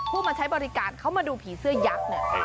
มาใช้บริการเขามาดูผีเสื้อยักษ์เนี่ย